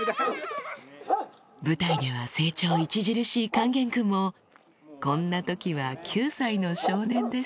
舞台では成長著しい勸玄君もこんな時は９歳の少年です